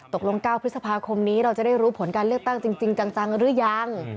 ๙พฤษภาคมนี้เราจะได้รู้ผลการเลือกตั้งจริงจังหรือยัง